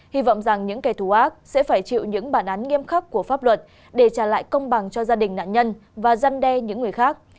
hy vọng rằng những kẻ thù ác sẽ phải chịu những bản án nghiêm khắc của pháp luật để trả lại công bằng cho gia đình nạn nhân và dân đe những người khác